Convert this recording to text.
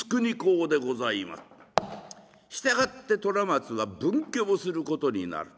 従って虎松は分家をすることになる。